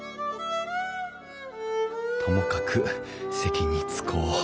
ともかく席に着こう。